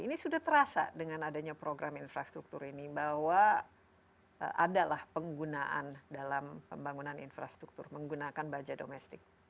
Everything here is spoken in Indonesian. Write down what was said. ini sudah terasa dengan adanya program infrastruktur ini bahwa adalah penggunaan dalam pembangunan infrastruktur menggunakan baja domestik